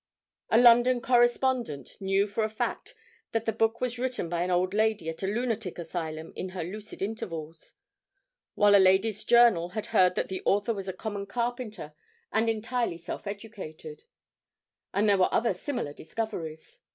A 'London correspondent' knew for a fact that the book was written by an old lady at a lunatic asylum in her lucid intervals; while a ladies' journal had heard that the author was a common carpenter and entirely self educated; and there were other similar discoveries.